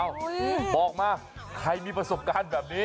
บอกมาใครมีประสบการณ์แบบนี้